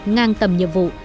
ngang tầm nhiệm vụ